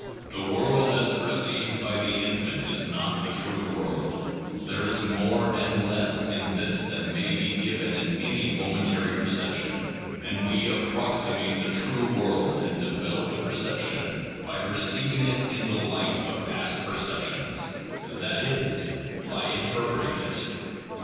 The world as perceived by the infant is not the true world ; there is both more and less in this than may be given in any momentary perception, and we approximate the true world in developed perception, by perceiv ing it in the light of past perceptions, that is, by interpreting it.